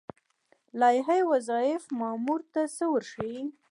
لایحه وظایف مامور ته څه ورښيي؟